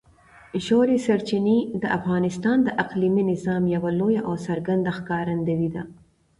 ژورې سرچینې د افغانستان د اقلیمي نظام یوه لویه او څرګنده ښکارندوی ده.